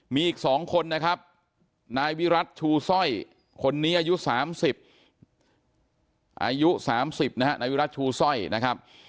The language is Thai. มีอีก๒คนนะครับนายวิรัติชูสร้อยคนนี้อายุ๓๐อายุ๓๐นะฮะนายวิรัติชูสร้อยนะครับ